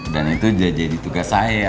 dan itu jadi tugas saya